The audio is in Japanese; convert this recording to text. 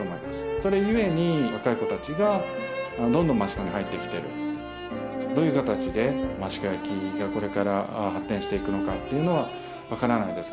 それゆえに若い子達がどんどん益子に入ってきてるどういう形で益子焼がこれから発展していくのかっていうのは分からないです